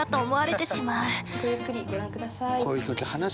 ごゆっくりご覧ください。